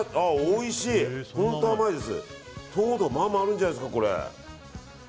糖度、まあまああるんじゃないですか。